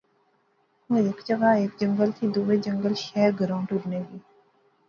او ہیک جاغا ہیک جنگل تھی دوہے جنگل شہر گراں ٹرنے گئے